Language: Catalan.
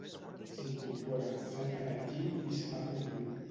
S'incorpora, salta del llit i se'n va a fer un riu.